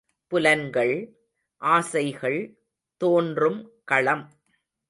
புலன்கள், ஆசைகள் தோன்றும் களம்.